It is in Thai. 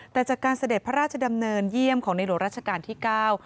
แต่จากการเสด็จพระราชดำเนินเยี่ยมของในหลวงราชการที่เก้า